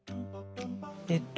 えっと